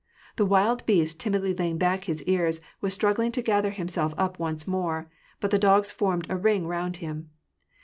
The wild beast, timidly laying back his ears, was stniggling to gather himself up once more ; but the dogs formed a ring round him.